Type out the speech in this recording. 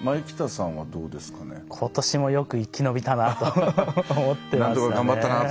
今年もよく生き延びたなと思ってましたね。